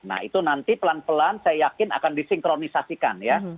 nah itu nanti pelan pelan saya yakin akan disinkronisasikan ya